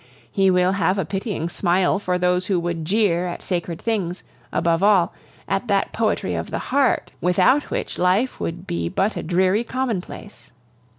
He will have a pitying smile for those who would jeer at sacred things, above all, at that poetry of the heart, without which life would be but a dreary commonplace.